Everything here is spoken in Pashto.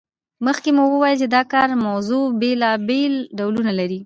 مخکې مو وویل چې د کار موضوع بیلابیل ډولونه لري.